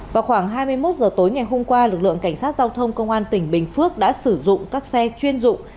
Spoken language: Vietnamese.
vào khoảng hai mươi một h tối ngày hôm qua lực lượng cảnh sát giao thông công an tỉnh bình phước đã sử dụng các xe chuyên dụng